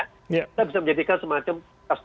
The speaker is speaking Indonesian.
kita bisa menjadikan semacam